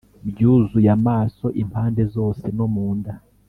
byuzuye amaso impande zose no mu nda.